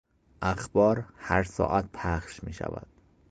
اخبار هر ساعت پخش میشود.